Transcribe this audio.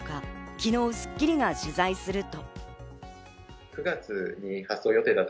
昨日『スッキリ』が取材すると。